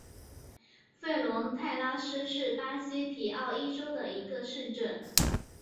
弗龙泰拉斯是巴西皮奥伊州的一个市镇。